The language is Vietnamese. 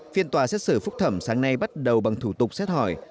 phiên tòa xét xử phúc thẩm sáng nay bắt đầu bằng thủ tục xét hỏi